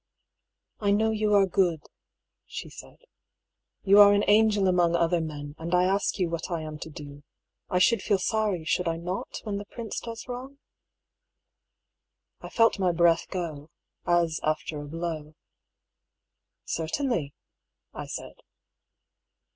" I know you are good," she said. " Yon are an angel among other men : and I ask you what I am to do. I should feel sorry, should I not, when the prince does wrong ?" I felt my breath go— as after a blow. " Certainly," I said.